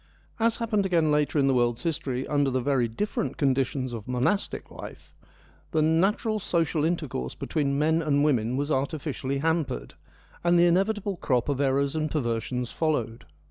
As happened again later in the world's history under the very different conditions of monastic life, the natural social intercourse between men and women was artificially hampered, and the inevitable crop of errors and perversions followed.